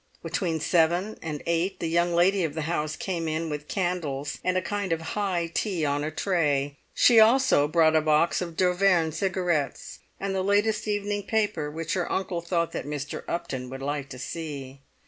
Between seven and eight the young lady of the house came in with candles and a kind of high tea on a tray; she also brought a box of d'Auvergne Cigarettes and the latest evening paper, which her uncle thought that Mr. Upton would like to see.